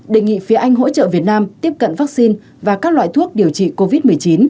đề nghị phía anh hỗ trợ việt nam tiếp cận vaccine và các loại thuốc điều trị covid một mươi chín